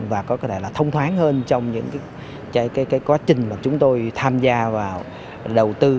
và có thể thông thoáng hơn trong những quá trình chúng tôi tham gia vào đầu tư